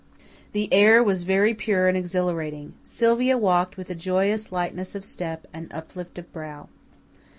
The air was very pure and exhilarating. Sylvia walked with a joyous lightness of step and uplift of brow.